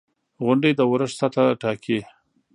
• غونډۍ د اورښت سطحه ټاکي.